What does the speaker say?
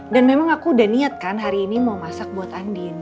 dan memang aku udah niat kan hari ini mau masak buat andin